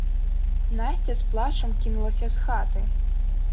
Насця з плачам кінулася з хаты.